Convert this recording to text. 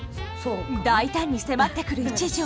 大胆に迫ってくる一条。